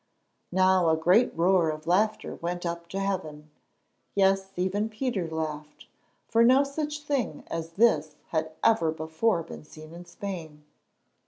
Now a great roar of laughter went up to heaven. Yes, even Peter laughed, for no such thing as this had ever before been seen in Spain.